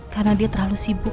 karena dia terlalu sibuk